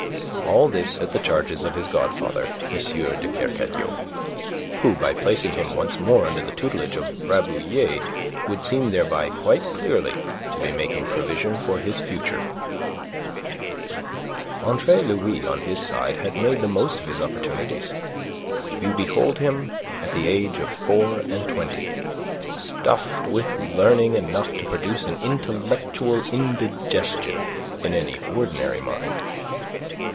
All this at the charges of his godfather, M. de Kercadiou, who by placing him once more under the tutelage of Rabouillet would seem thereby quite clearly to be making provision for his future. Andre Louis, on his side, had made the most of his opportunities. You behold him at the age of four and twenty stuffed with learning enough to produce an intellectual indigestion in an ordinary mind.